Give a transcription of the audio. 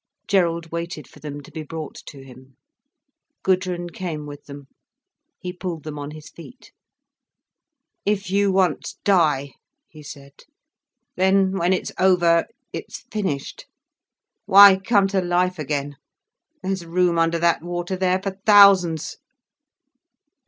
Gerald waited for them to be brought to him. Gudrun came with them. He pulled them on his feet. "If you once die," he said, "then when it's over, it's finished. Why come to life again? There's room under that water there for thousands."